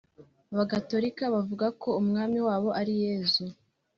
bagatolika bakavuga ko umwami wabo ari "Yezu";